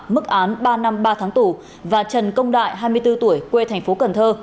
mức án ba năm ba tháng tù và trần công đại hai mươi bốn tuổi quê thành phố cần thơ